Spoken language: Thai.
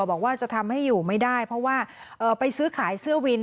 บอกว่าจะทำให้อยู่ไม่ได้เพราะว่าไปซื้อขายเสื้อวิน